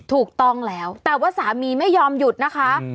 ถูกต้องแล้วแต่ว่าสามีไม่ยอมหยุดนะคะ